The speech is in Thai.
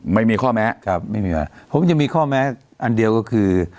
ไม่มีข้อแม้ผมจะมีข้อแม้อันเดียวก็คือ